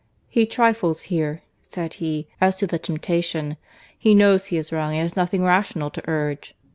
"He trifles here," said he, "as to the temptation. He knows he is wrong, and has nothing rational to urge.